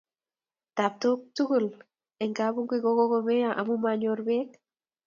Taptook tugul eng kapngui kokimeiyo amu manyoor beek.